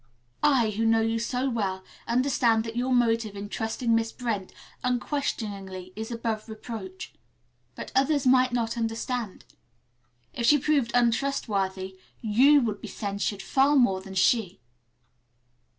I, who know you so well, understand that your motive in trusting Miss Brent unquestioningly is above reproach. But others might not understand. If she proved untrustworthy, you would be censured far more than she."